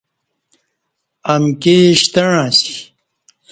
امکی شتݩع اسی